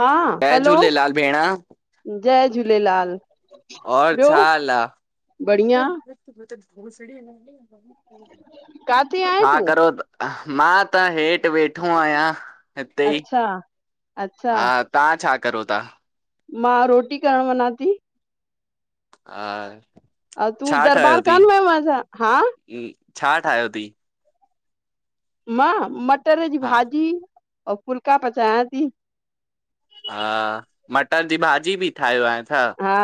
हा जय हलो, झूलेलाल भेण जय झूलेलाल। और ॿियो छा हाल आ? बढ़िया [unintelligible] काथे आहीं हा तूं? करो मां त हेठ वेठो आहियां हिते ई। अच्छा अच्छा हा तहां छा करो था? मां रोटी करणु वञा थी। हा अ तू दरबार कान वयो छा? हा हम छा ठाहियो अथी? मां मटर जी हा भाॼी अऊ फुल्का पचायां थी। हा मटर जी भाॼी बि ठाहियो आहे। हा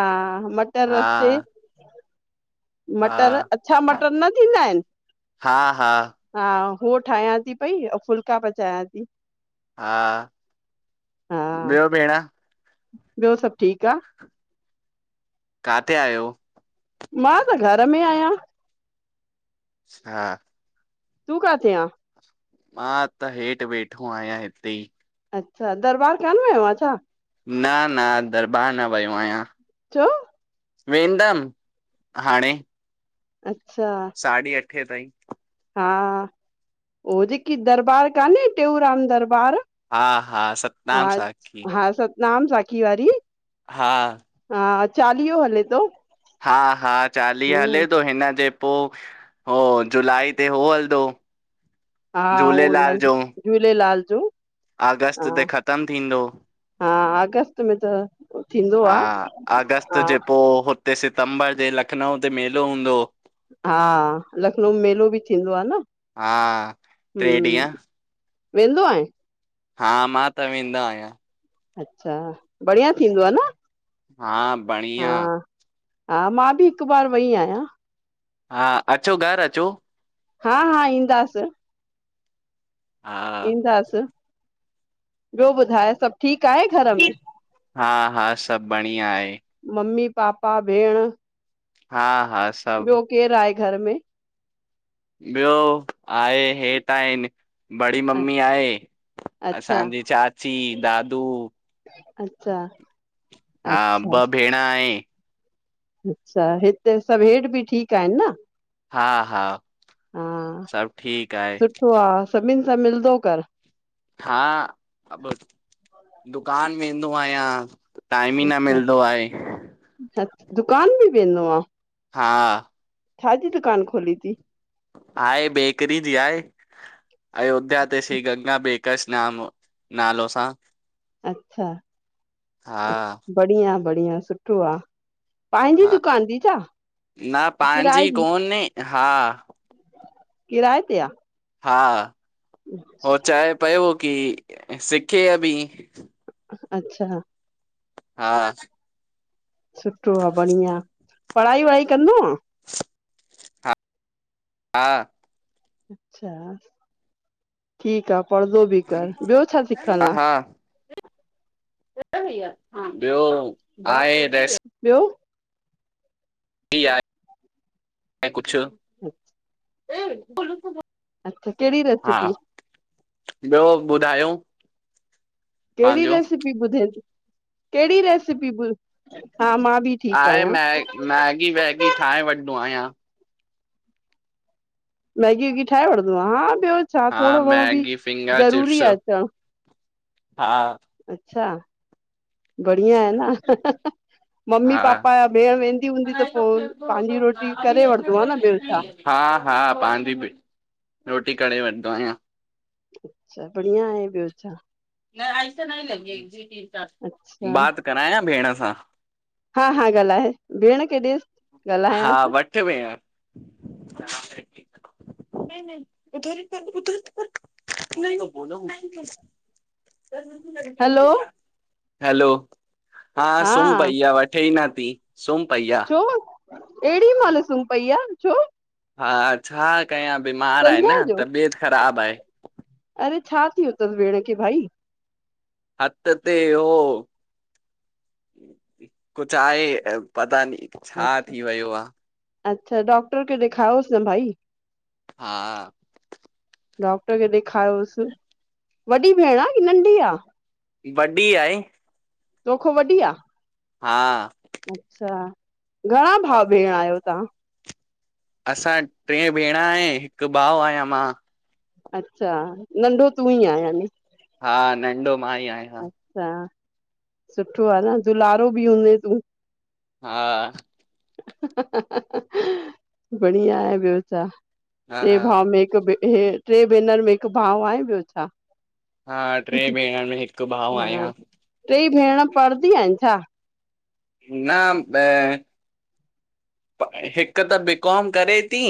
मटर रस्ते। हा मटर अच्छा मटर न थींदा आहिन। हा हा हा हुह ठाहियां थी पई अउ फुल्का पचायां थी हा, हा ॿियो भेण। ॿियो सब ठीक आ। काथे आहियो? मां त घर में आहियां। हा। तूं काथे आ? मां त हेठ वेठो आहियां हिते ई। अच्छा दरबार कान वयो आ छा! न न दरबार न वियो आहियां। छो? वेंदम हाणे। अच्छा, साढी़ अठे ताईं। हा ओह जेकी दरबार कान्हे टेऊराम दरबार। हा हा सभु हा हा सतनाम साखी वारी हा, हा, चालीहो हले थो। हा हा, चालीहो हले हूं थो। हिन जे पोइ हो जूलाई ते हो हलंदो, हा उहो झूलेलाल न जो झूलेलाल जो? हा अगस्त ते ख़तम थींदो। हा अगस्त में त थींदो हा आ अगस्त हा जे पोइ हूते सितंबर ते लखनऊ ते मेलो हूंदो। हा लखनऊ में मेलो बि थींदो आहे न? हा टे हम ॾींहं वेंदो आ? हा मां त वेंदो आहियां। अच्छा। बढ़िया थींदो आ न? हा हा बढ़िया। हा। मां बि हिकु बार वई आहियां। हा, अचो घरु अचो। हा हा, ईंदासीं। हा ईंदासी। ॿियो ॿुधाए सभु ठीकु आहे घर में? हा हा, सभु बढ़िया आहे। मम्मी, पापा, भेण हा, हा। सभु ॿियो केरु आहे घर में? ॿियो आहे, हे त आहिनि बड़ी मम्मी आहे, अच्छा असांजी चाची, दादू अच्छा। हा अच्छा ॿ भेण आहे। अच्छा हिते सभु हेठ बि ठीक आहिनि न? हा हा। सभु ठीक आहिन। वाह। सभिनि सां मिलंदो कर हा, दुकान वेंदो आहियां। टाइम ई न अच्छा मिलदो आहे। दुकान बि वेंदो आ? हा। छा जी दुकान खोली तई? आहे बेकरी जी आहे। अयोध्या ते, श्री गंगा बेकर्स नाम नालो सां। अच्छा। हा बढ़िया बढ़िया सुठो आ। पंहिंजी हा दुकान ती छा, न किराए पंहिंजी जी? कोन्हे हा किराए ते आ। हा। हो चए पियो की सिखे बि अच्छा। हा। सुठो आ बढ़िया। पढ़ाई वढ़ाई कंदो आ। हा। अच्छा ठीकु आ। पढ़दो बि कर ॿियो छा हा सिखयल आ। हा ॿियो आहे ॿियो? आ, न कुझु अचछा। ब अच्छा! कहिड़ी रेसिपी? ॿियो ॿुधायो? कहिड़ी पंहिंजो रेसिपी? ॿुध कहिड़ी रेसिपी? हा मां बि ठीकु आहे, आहियां मै मैगी वैगी ठाहे वठंदो आहियां। मैगी वैगी ठाहे वठंदो आ। हा, ॿियो छा हा थोरो घणो बि मैगी फिंगर ज़रूरी चिप्स आहे अचणु। हा। अच्छा। बढ़िया आहे न मम्मी हा हा पापा या भेण वेंदी हूंदी त पोइ पंहिंजी रोटी करे वठंदो आ, न ॿियो छा। हा हा, पंहिंजी बि रोटी करे वठदो आहियां। अच्छा बढ़िया आहे ॿियो छा। न ले अच्छा ब करायां भेण सां? हा हा ॻाल्हायो। आहे भेण के ॾीस हा वठ भेण। न न उथ हलो हलो, हा सुम पइया व ठह ई न थी। सुम पइहया। छो? अहिड़ी महिल सुम पई आहे छो? हा छा कयां बीमार आहे संझा न, जो तबियत ख़राबु आहे। अरे छा थियो अथसि भेण खे भाई? हथ ते हो, कुझ आहे पता न छा थी वियो आ? अच्छा। डॉक्टर खे दिखाओस न भाई। हा। डॉक्टर खे ॾेखारियोसि। वॾी भेण आहे की नंढी आ? वॾी आहे। तोखो वॾी आ? हा। अच्छा। घणा भाव भेण आहियो तव्हां? असां टे भेण आय, हिकु भाऊ आहियां मां। अच्छा, नंढो तूं ई आहे यानी। हा नंढो मां ई आयां। अच्छा। सुठो आहे न दुलारो बि हूंदे तूं? हा। बढ़िया आहे ॿियो छा, हा टे हा भाव में भ हे टे भेनर में हिकु भाऊ आहे ॿियो छा। हा टे भेण में भाउ हा। आहियां टे भेण पढ़ंदी आहिनि छा? न, हिकु त बीकॉम करे थी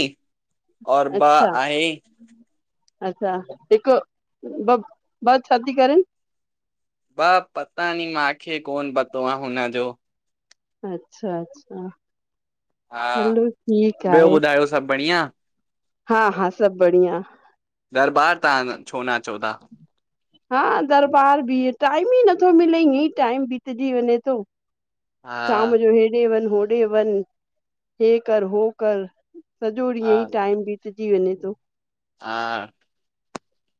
और ब अच्छा आहे अच्छा। हिकु ॿ ॿ चाती करनि? ब पता नी मूंखे कोन पतो आहे हुनजो। अच्छा - अच्छा हलो ठीक आहे। आयो सभ बढ़िया। हा-हा सभ बढ़िया। दरबार तव्हां छो न अचो था? हा दरबार बि टाइम ई नथो मिले ईअ टाइम बितजी वञे थो। हा शाम जो हेॾे वन होॾे वन हे कर हो कर। सॼो हा ॾींहु ई टाइम बितजी वञे थो। हा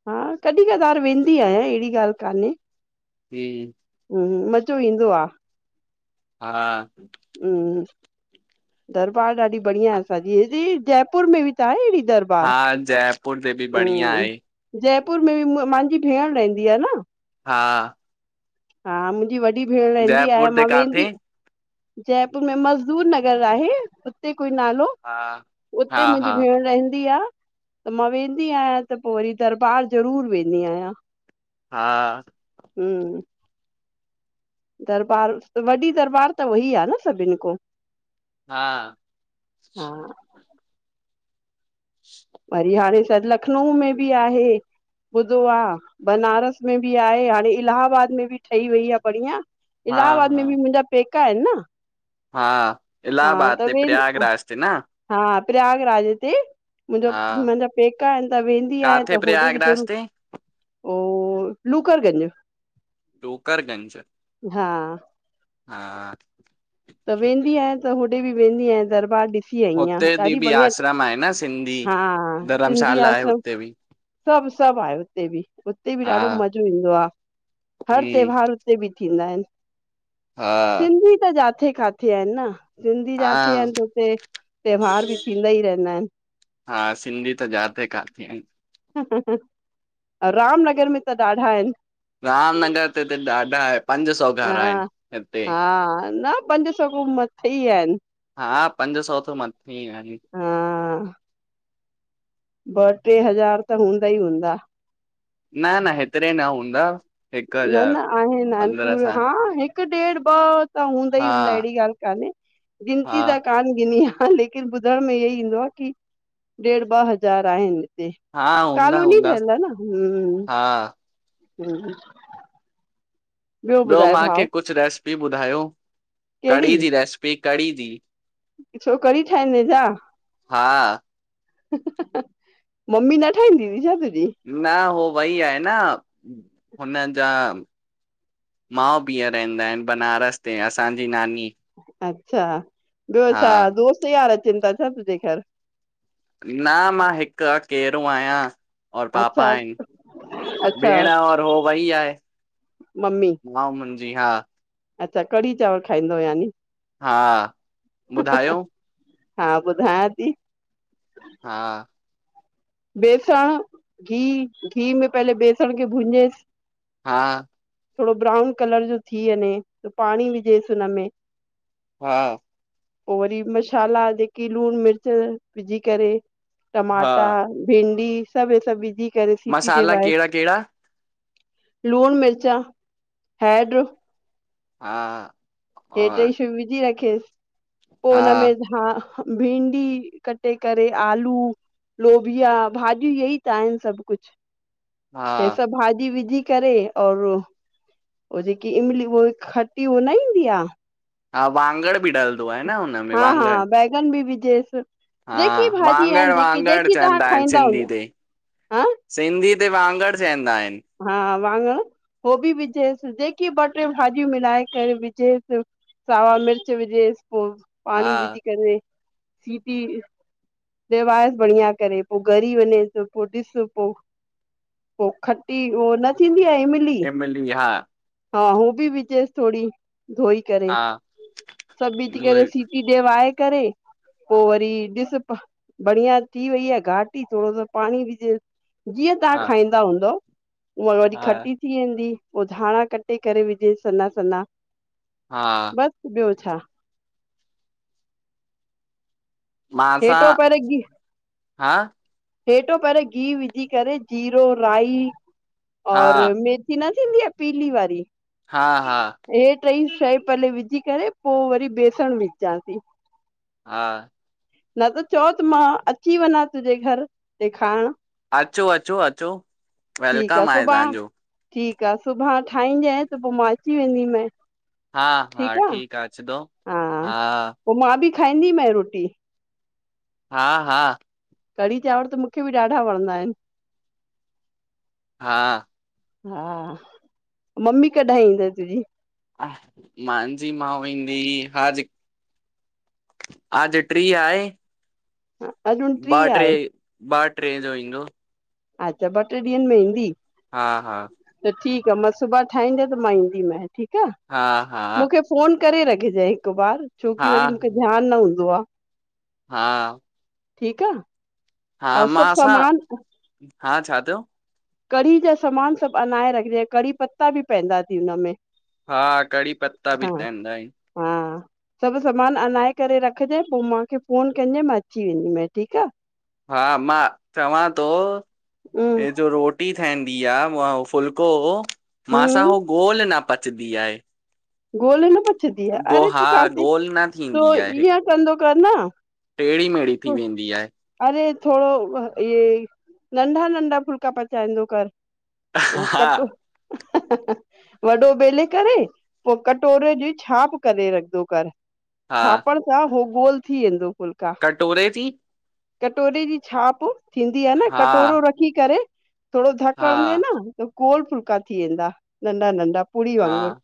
हा कॾहिं कदार वेंदी आयां अहिड़ी ॻाल्ह कान्हे। जी। हम्म मज़ो ईंदो आ। हा हम दरबार ॾाढी बढ़िया असांजी दी जयपुर में बि त आहे अहिड़ी दरबार। हा जयपुर ते बि बढ़िया हम्म आहे। जयपुर में मांजी भेण रहंदी आ न। हा हा मुंजी वॾी भेण रहंदी आहे जयपुर ते मां काथे? वेंदी जयपुर में मज़दूर नगर आहे उते कोई नालो। हा हा उते मुंजी हा भेण रहंदी आ। त मां वेंदी आयां त पो वरी दरबार ज़रूर वेंदी आहियां। हा हम्म। दरबार वॾी दरबार त उहई आ न सभिन कों। हा हा वरी हाणे शायद लखनऊ में बि आहे। ॿुधो आ बनारस में बि आहे हाणे इलाहाबाद में बि ठही वई आ बढ़िया। हा इलाहबाद हा में बि मुंजा पेका आहिन न। हा हा इलाहबाद त ते वेन प्रयागराज ते न। हा प्रयागराज ते। मुंजा हा मुंजा पेका आहिन त वेंदी आयां काथे त होॾे बि प्रयागराज ज़रूर ते? ओ, लूकर गंज। लूकर गंज हा हा त वेंदी आयां त होॾे बि वेंदी आयां दरबार ॾे। थी आइयां हुते बि ॾाढी बि बढ़िया आश्रम आहे न सिंधी हा सिंधी धर्मशाला आ आहे सब। हुते बि सभ सभ आहे उते बि उते बि हा ॾाढो मज़ो ईंदो आ हर हम्म त्योहार इते बी थींदा आहिन, हा सिंधी त जाते काथे आहिन न। सिंधी जाते हा आहिन त हुते त्योहार बि थींदा ई रहिंदा आहिन। हा सिंधी त जाते काथे आहिन। हं हं हं राम नगर मे त ॾाढा आहिन। रामनगर ते त ॾाढा आहे पंज सौ। घर आहिनि हिते हा-हा न पंज सौ खऊं मथे ई आहिन। हा पंज सौ थो मथे आहिन। हां। ॿ ट्रे हज़ार त हूंदा ई हूंदा। न न हेतिरे न हूंदा। हिकु न हज़ार न आहिन पंद्रहं नानपुर सां हा हिकु ॾेढ ॿ त हूंदा हा ई हूंदा अहिड़ी ॻाल्हि कान्हे हा गिनती जा कान गिनी आ लेकिन ॿुधण में इयो ही ईंदो आ कि ॾेढ ॿ हज़ार आहिन। ते हा हूंदा कालोनी हूंदा ठयल आ न हूं हा हूं ॿियो मांखे भाउ कुछ रेसिपी ॿुधायो कहिड़ी कढ़ी जी रेसिपी कढ़ी जी? छो कढ़ी ठाहिंदे छा? हा मम्मी न ठाहींदी हुई छा तुहिं जी? न हो वई आहे न हुनजा माउ बीह रहंदा आहिनि बनारस ते असांजी नानी अच्छा ॿियो हा छा दोस्त यार अचिंता छा तुंहिंजे घरु? न मां हिकु अकेरो आहियां। और पापा अच्छा आहिनि अच्छा भेण और हो वई आहे। मम्मी मां मुंहिंज जी हा। अच्छा कढ़ी चांवर खाईंदोव यानी? हा ॿुधायो? हा ॿुध हा थी। हा बेसण घी घी में पहले बेसण खे भुञे हा थोड़ो ब्राउन कलर जो थी वञे त पाणी विझेसि हुनमें हा पोइ वरी मसाला जेकी लूणु मिर्च विझी करे। हा टमाटा, भिडी सभु हे सभु विझी करे सीटी मसाला णेवायस। कहिड़ा कहिड़ा लूण, मिर्च, हैड हा हे और टे शयूं विझी रखेसि पोइ हुनमें हा भिंडी कटे करे आलू लोभिया भाॼियूं इय ई त आहिनि सभु कुझु हे हा सभु भाॼी विझी करे और हो जेकी इमली उह खटी उहा न ईंदी आ। हा वांगड़ बिड़ाल हा हा बैगन बि बिजेस हा जेकी भाॼी आहिनि वांङण जेकी वांङण जेकी तव्हां चवंदा आहिनि खाईंदा हूंद सिंधी ते हां सिंधी ते वांगण चवंदा आहिनि। हा वाङण हो बि विझेसि जेकी ॿ टे भाॼियूं मिलाए करे विझेस। सावा मिर्च विझेस पोइ पाणी हा विझी करे सीटी ढेवाज़ बढ़िया करे पोइ घरी ई वञे पोइ ॾिस पोइॾ पो खटी उह न थींदी आहे इमली हा हा हू बि विझेस थोडी धोई करे हा सभु विझी करे उहे सीटी कॾे वए करे पोइ वरी ॾिस बढ़िया थी वई आहे घाट ई थोड़ो सो पाणी विझेस जीअं तव्हां हा खाईंदा हूंदव। उहा वरी हा खटी थी वेंदी पोइ धाणा कटे करे विझ सना सन्हा हा। बस, ॿियो छा? मासां हेठों पेरे घी, हा हेेठों पहिरे गिहु विझी करे, जीरो, राई हा और मिर्च न थींदी आ, पीली वारी हा -हा, हे ट्रई शइ पेले विझी करे पोइ वरी बेसण विझासीं। हा। न त चओ त मां अची वञा तुंहिंजे घर ॾेखाइण, अचो- अचो -अचो, ठीकु आ, वेलकम आहे सुभाणे तव्हांजो ठीकु आ, सुभाणे ठाहीजांइ त पोइ मां अची वेंदीमइ। हा- हा ठीक आ अचदो, हा। पोइ मां बि खाईंदीमांइ रोटी। हा -हा। कढ़ी चांवर त मूंखे बि ॾाढा वणंदा आहिनि। हा। हा, मम्मी कॾहिं ईंद तुंहिंजी? मुंहिंजी माउ ईंदी आज। आज ट्री आहे, अॼु ॿ- उणटीह ट्रे आहे ॿ ट्रे जो ईंदो। अच्छा, ॿ, ट्रे ॾींहंनि में ईंदी। हा -हा। त ठीकु आ, मां सुभाणे ठाहींजें त मां ईंदीमांइ ठीकु आ, हा हा मूंखे फोन करे रखजांइ हिकु बार, हा छोकी वरी मूंखे ध्यानु न हूंदो आ। हा। ठीकु आ। हा, मांसां हा, छा थियो? कढ़ी जा सामान सभु अनाए रखजें, कढ़ी पत्ता बि पवंदा ती हुनमें। हा, कढ़ी पत्ता बि पवंदा आहिनि। हा। सभु समान अनाए करे रखजांइ, पोइ मूंखे फोन कजांइ, मां अची वेंदीमइ ठीकु आ। हा मां चवां तो आहे हे जो रो टी ठहंदी आ, व फुल्को मासां हो हम्म गोल न पचदी आहे। गोल न पचदी आ गो अरे तूं हा काथे गोल न तूं थींदी आहे इअं कंदो कर न, टेड़ी मेड़ी थी वेंदी आहे। अरे थोड़ो इहे नंढा -नंढा फुलका पचाईंदो कर। उ हा कट्रो, वॾो बेले करे। पोइ कटोरे जी छाप करे रखदो कर, हा छापण छा हो गोल थी वेंदो फुलका। कटोरे जी? कटोरे जी छाप थींदी आ न, हा कटोरो रखी करे, थोड़ो धक हा हणंदे न त गोल फुलका थी वेंदा, नंढा -नंढा पूड़ी हा वांगुर।